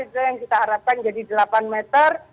itu yang kita harapkan jadi delapan meter